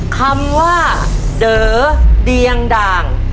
คำว่าเด๋อเดียงด่าง